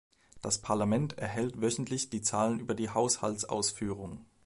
Das Parlament erhält wöchentlich die Zahlen über die Haushaltsausführung.